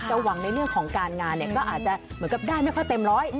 หวังในเรื่องของการงานเนี่ยก็อาจจะเหมือนกับได้ไม่ค่อยเต็มร้อย